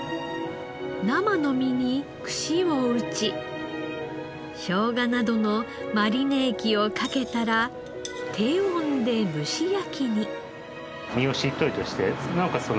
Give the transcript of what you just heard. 生の身に串を打ちショウガなどのマリネ液をかけたら低温で蒸し焼きに。